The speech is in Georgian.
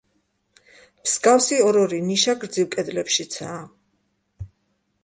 მსგავსი ორ-ორი ნიშა, გრძივ კედლებშიცაა.